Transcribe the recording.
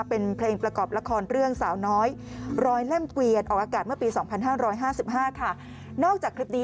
เป็นเพลงประกอบละครเรื่องสาวน้อยรอยเล่มเกวียนออกอากาศเมื่อปี๒๕๕๕ค่ะ